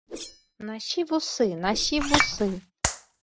Насі вусы, насі вусы!